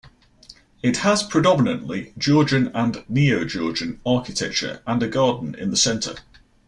It has predominantly Georgian and Neo-Georgian architecture and a garden in the centre.